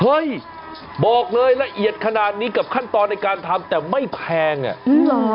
เฮ้ยบอกเลยละเอียดขนาดนี้กับขั้นตอนในการทำแต่ไม่แพงอ่ะอืมหรอ